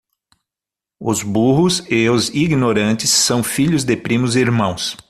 Os burros e os ignorantes são filhos de primos irmãos.